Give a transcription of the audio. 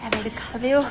食べよう。